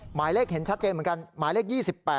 หมายเลขเห็นชัดเจนเหมือนกันหมายเลข๒๘